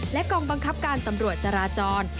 และกองบังคับการตำรวจจราจร